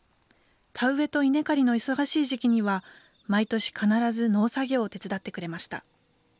田植えと稲刈りの忙しい時期には、毎年必ず農作業を手伝ってくれました。